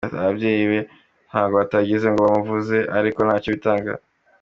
Ababyeyi be ntako batagize ngo bamuvuze ariko ntacyo bitanga.